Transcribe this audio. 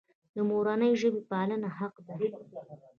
د مورنۍ ژبې پالنه حق دی.